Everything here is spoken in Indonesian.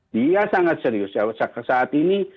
dia sangat serius ya saat ini